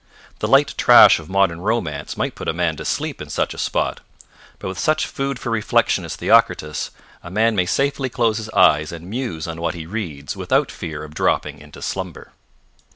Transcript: The light trash of modern romance might put a man to sleep in such a spot, but with such food for reflection as Theocritus, a man may safely close his eyes and muse on what he reads without fear of dropping into slumber.